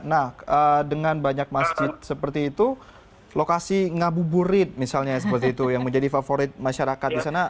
nah dengan banyak masjid seperti itu lokasi ngabuburit misalnya seperti itu yang menjadi favorit masyarakat di sana